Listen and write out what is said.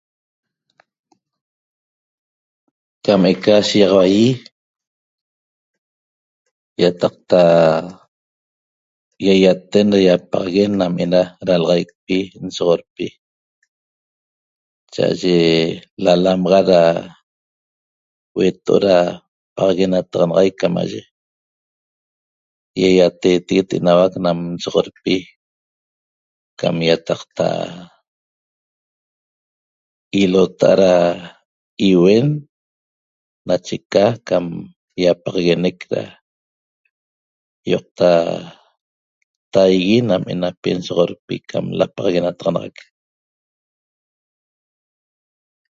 Qamseca ahixaua yi yetaqta yayatem da yapaxaguen nam na dalaxaic nsolxopi ya aye lalamaxatda huetoot paxaguenataxanaxic qamaye ýeýateguet nam ena dalaxaic nsoxolpi'qam ýetacta ilota'a da iuen nacheqa qam ýapaxenec ýoctaye nam ena nsoxolpi qam eca la paxaguenataxanac